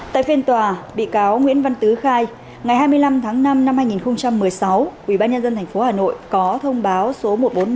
tại phiên tòa bị cáo nguyễn văn tứ khai ngày hai mươi năm tháng năm năm hai nghìn một mươi sáu ubnd tp hà nội có thông báo số một trăm bốn mươi ba